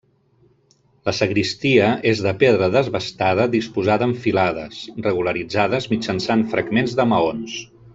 La sagristia és de pedra desbastada disposada en filades, regularitzades mitjançant fragments de maons.